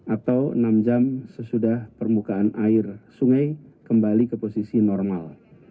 atau enam jam sesudah permukaan air sungai kembali ke posisi normal